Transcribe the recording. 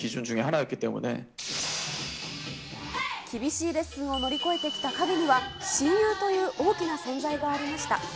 厳しいレッスンを乗り越えてきた陰には、親友という大きな存在がありました。